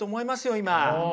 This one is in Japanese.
今。